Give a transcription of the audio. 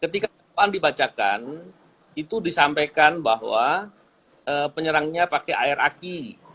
ketika dakwaan dibacakan itu disampaikan bahwa penyerangnya pakai air aki